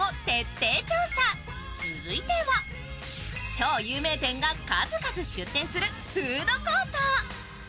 超有名店が数々出店するフードコート。